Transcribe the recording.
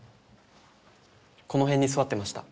この辺に座ってました。